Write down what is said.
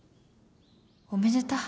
おめでた